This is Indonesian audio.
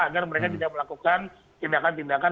agar mereka tidak melakukan tindakan tindakan